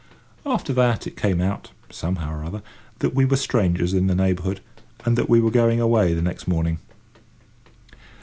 After that it came out, somehow or other, that we were strangers in the neighbourhood, and that we were going away the next morning.